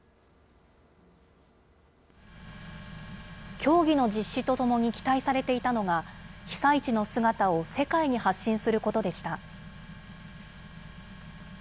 競技の実施とともに期待されていたのが、被災地の姿を世界に発信することでした。